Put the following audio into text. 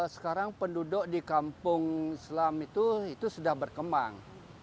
sekarang penduduk di kampung selam itu sudah berkembang